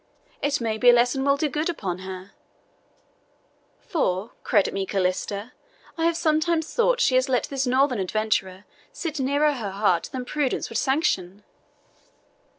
It may be a lesson will do good upon her; for, credit me, Calista, I have sometimes thought she has let this Northern adventurer sit nearer her heart than prudence would sanction."